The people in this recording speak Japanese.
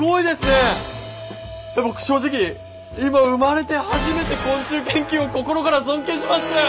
僕正直今生まれて初めて昆虫研究を心から尊敬しましたよ！